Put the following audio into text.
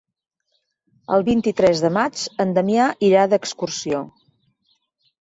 El vint-i-tres de maig en Damià irà d'excursió.